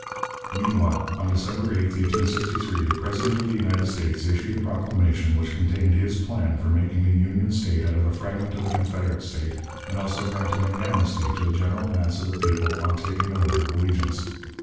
Meanwhile, on December 8, 1863, the President of the United States issued a proclamation which contained his plan for making a Union State out of a fragment of a Confederate State, and also granting an amnesty to the general mass of the people on taking an oath of allegiance.